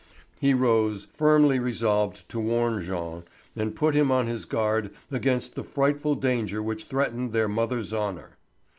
He rose, firmly resolved to warn Jean, and put him on his guard against the frightful danger which threatened their mother's honour.